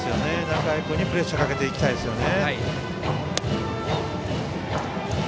仲井君にプレッシャーをかけたいですね。